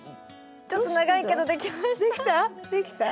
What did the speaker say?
ちょっと長いけどできました。